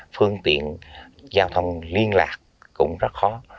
phương tiện giao thông liên lạc cũng rất khó